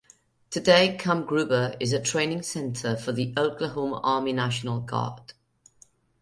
Today Camp Gruber is a training center for the Oklahoma Army National Guard.